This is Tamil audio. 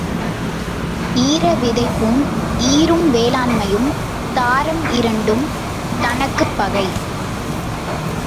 ஈர விதைப்பும் ஈரூர் வேளாண்மையும் தாரம் இரண்டும் தனக்குப் பகை.